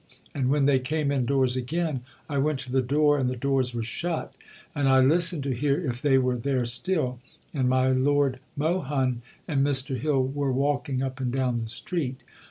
And when they came indoors again I went to the door, and the doors were shut, and I listened to hear if they were there still; and my Lord Mohun and Mr Hill were walking up and down the street.